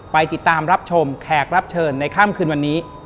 ไปติดตามรับชมแขกรับเชิญในค่ำคืนวันนี้